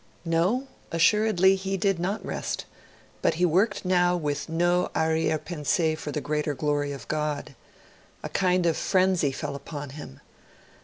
No, assuredly he did not rest; but he worked now with no arriere pensee for the greater glory of God. A kind of frenzy fell upon him.